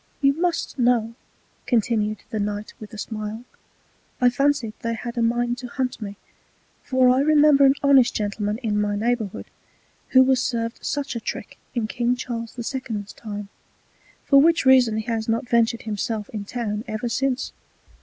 You must know, continu'd the Knight with a Smile, I fancied they had a mind to hunt me; for I remember an honest Gentleman in my Neighbourhood, who was served such a trick in King Charles the Second's time; for which reason he has not ventured himself in Town ever since.